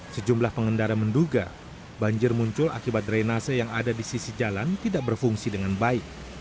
sejumlah pengendara menduga banjir muncul akibat drainase yang ada di sisi jalan tidak berfungsi dengan baik